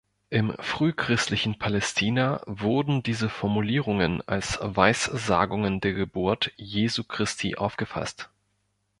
Im frühchristlichen Palästina wurden diese Formulierungen als Weissagungen der Geburt Jesu Christi aufgefasst.